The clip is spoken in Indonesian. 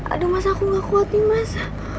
aduh mas aku gak kuat nih mas